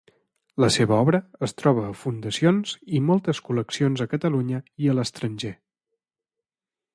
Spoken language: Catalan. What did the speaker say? La seva obra es troba a fundacions i moltes col·leccions a Catalunya i a l'estranger.